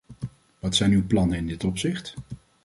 Wat zijn uw plannen in dit opzicht?